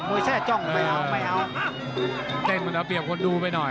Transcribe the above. มึงอยากมีแก้วมันจะเปรียบคนดูไปหน่อย